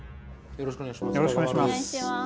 よろしくお願いします。